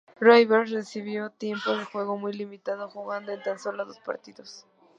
Rivers recibió tiempo de juego muy limitado, jugando en tan sólo dos partidos.